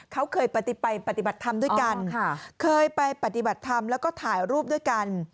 เขาเคยไปปฏิบัติธรรมด้วยกันเคยไปปฏิบัติธรรมแล้วก็ถ่ายรูปด้วยกัน